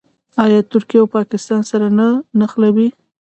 آیا ترکیه او پاکستان سره نه نښلوي؟